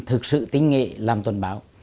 thực sự tinh nghệ làm tuần báo